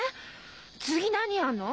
次何やるの？